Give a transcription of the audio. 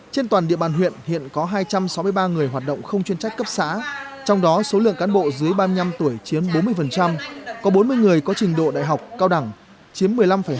trên toàn địa bàn huyện hiện có hai trăm sáu mươi ba người hoạt động không chuyên trách cấp xã trong đó số lượng cán bộ dưới ba mươi năm tuổi chiếm bốn mươi có bốn mươi người có trình độ đại học cao đẳng chiếm một mươi năm hai